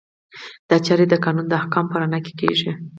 دا چارې د قانون د احکامو په رڼا کې کیږي.